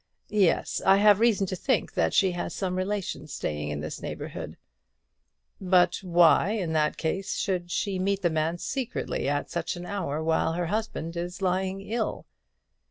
Yes, I have reason to think that she has some relation staying in this neighbourhood." "But why, in that case, should she meet the man secretly, at such an hour, while her husband is lying ill?"